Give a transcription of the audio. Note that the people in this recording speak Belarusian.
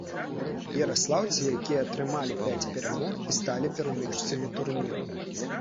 Яраслаўцы, якія атрымалі пяць перамог, і сталі пераможцамі турніру.